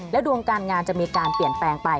ดวงการงานจะมีการเปลี่ยนแปลงไป